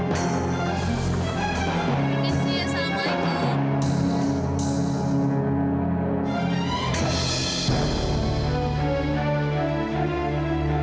permisi ya assalamualaikum